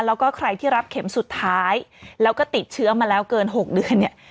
แล้วก็ใครที่รับเข็มสุดท้ายแล้วก็ติดเชื้อมาแล้วเกิน๖เดือนเนี่ย